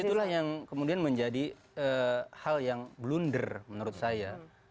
itulah yang kemudian menjadi hal yang blunder menurut saya